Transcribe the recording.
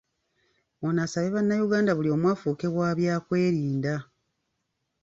Ono asabye Bannayuganda buli omu afuuke wa byakwerinda.